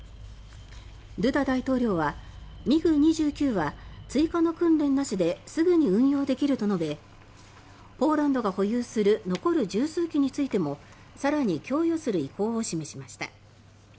ドゥダ大統領はＭｉＧ２９は追加の訓練なしですぐに運用できると述べポーランドが保有する残る１０数機についても更に供与する意向を示しました。